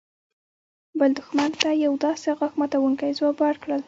بل دښمن ته يو داسې غاښ ماتونکى ځواب ورکړل.